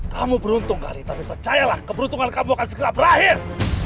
kamu beruntung kali tapi percayalah keberuntungan kamu akan segera berakhir